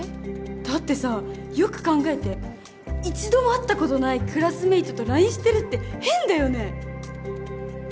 だってさよく考えて一度も会ったことないクラスメイトとＬＩＮＥしてるって変だよね？